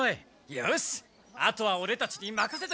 よしあとはオレたちにまかせとけ！